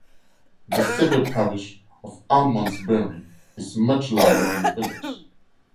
The civil parish of Almondsbury is much larger than the village.